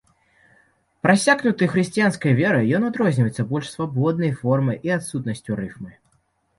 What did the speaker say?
Прасякнуты хрысціянскай верай, ён адрозніваецца больш свабоднай формай і адсутнасцю рыфмы.